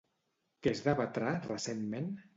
Què es debatrà recentment?